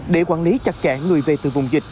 để quản lý chặt chẽ người về từ vùng dịch